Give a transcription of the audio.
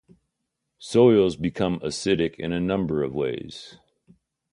Soils become acidic in a number of ways.